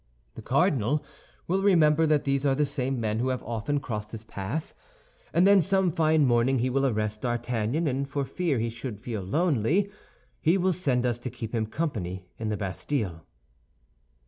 The cardinal will remember that these are the same men who have often crossed his path; and then some fine morning he will arrest D'Artagnan, and for fear he should feel lonely, he will send us to keep him company in the Bastille."